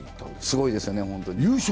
すごいですよね、本当に。